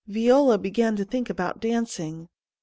Viola began to think about danc ing.